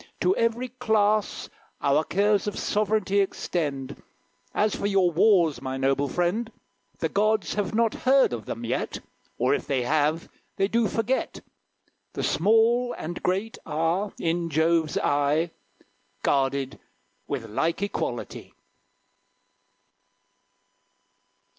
To every class Our cares of sovereignty extend. As for your wars, my noble friend, The gods have not heard of them yet; Or, if they have, they do forget. The small and great are, in Jove's eye, Guarded with like equality."